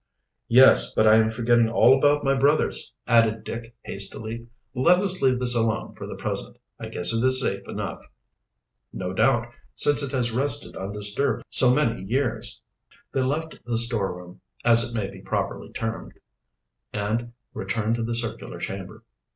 "Yes, but I am forgetting all about my brothers," added Dick hastily. "Let us leave this alone for the present. I guess it is safe enough." "No doubt, since it has rested undisturbed so many years." They left the storeroom, as it may properly be termed, and returned to the circular chamber.